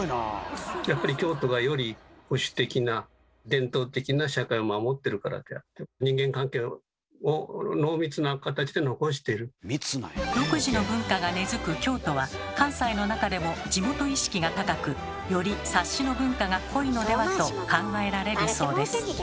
やっぱり京都が独自の文化が根づく京都は関西の中でも地元意識が高くより「察しの文化」が濃いのではと考えられるそうです。